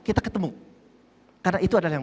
kita ketemu karena itu adalah yang